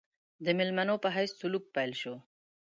د مېلمنو په حیث سلوک پیل شو.